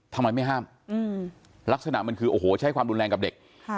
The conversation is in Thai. ทำไมไม่ห้ามลักษณะมันคือโอ้โหใช้ความรุนแรงกับเด็ก